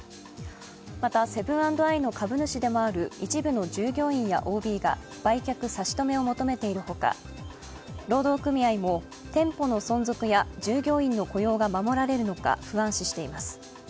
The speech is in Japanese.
またセブン＆アイの株主でもある一部の従業員やＯＢが売却差し止めを求めているほか労働組合も店舗の存続や従業員の雇用が守られるのか不安視しています。